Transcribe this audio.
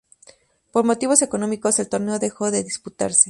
Por motivos económicos, el torneo dejó de disputarse.